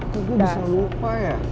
kok gua bisa lupa ya